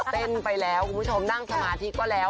เต้นไปแล้วคุณผู้ชมนั่งสมาธิก็แล้ว